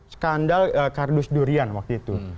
skandal kardus durian waktu itu